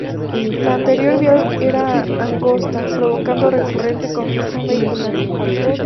La anterior vía era angosta, provocando recurrente congestión vehicular.